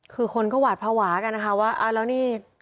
คือคนก็หวาดภาวะกันนะคะว่าอ่าแล้วนี่